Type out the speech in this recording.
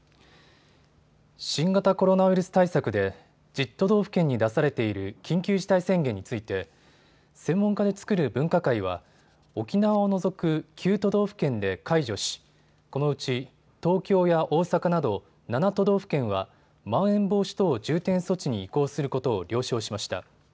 新型コロナウイルス対策で１０都道府県に出されている緊急事態宣言について専門家で作る分科会は沖縄を除く９都道府県で解除しこのうち東京や大阪など７都道府県はまん延防止等重点措置に移行することを了承しました。